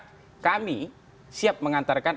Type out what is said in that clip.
dan kami siap mengantarkan